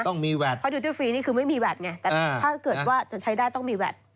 ต้องมีแวดเพราะดูเตอร์ฟรีนี่คือไม่มีแวดไงแต่ถ้าเกิดว่าจะใช้ได้ต้องมีแวด